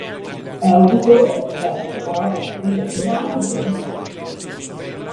È uditore presso la Rota civile e penale di Genova.